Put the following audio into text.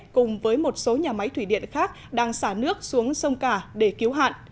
cùng với một số nhà máy thủy điện khác đang xả nước xuống sông cả để cứu hạn